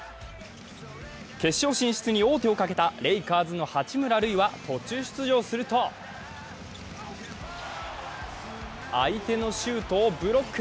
決勝進出に王手をかけたレイカーズの八村塁は途中出場すると相手のシュートをブロック。